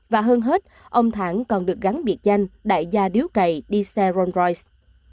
và hơn hết ông thản còn được gắn biệt danh đại gia điếu cầy đi xe rolls royce